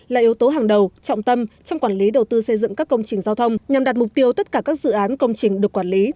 là yếu tố hàng đầu trọng tâm trong quản lý đầu tư xây dựng các công trình giao thông nhằm đạt mục tiêu tất cả các dự án công trình được quản lý